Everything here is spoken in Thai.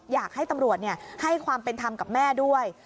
อยากให้ตำรวจให้ความเป็นธรรมกับแม่ด้วย